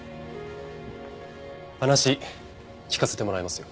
話聞かせてもらいますよ。